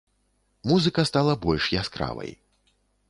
Музыка стала больш яскравай.